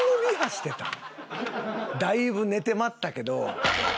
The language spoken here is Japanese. だいぶ寝て待ったけど。